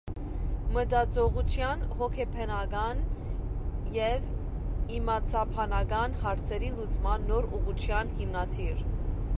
Մտածողության հոգեբանական և իմացաբանական հարցերի լուծման նոր ուղղության հիմնադիր։